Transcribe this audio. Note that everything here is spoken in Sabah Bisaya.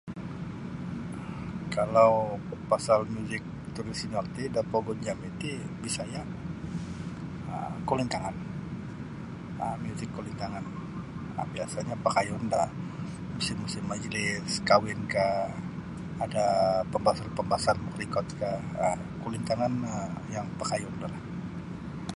Kalau pasal muzik tradisional ti da pogun jami ti Bisaya um kulintangan um muzik kulintangan biasanya pakaiun da musim-musim majlis kawin kah ada pambasar-pambasar makarikot kah um kulintanganlah yang pakaiaun do.